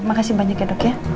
makasih banyak ya dok ya